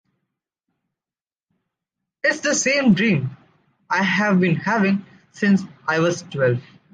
It’s the same dream I’ve been having since I was twelve.